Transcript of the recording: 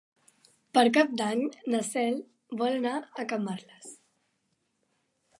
Per Cap d'Any na Cel vol anar a Camarles.